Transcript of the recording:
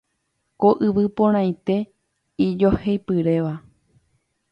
Ko yvy porãite ijoheipyréva